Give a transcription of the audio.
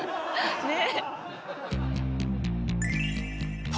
ねえ。